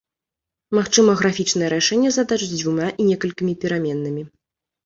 Магчыма графічнае рашэнне задач з дзвюма і некалькімі пераменнымі.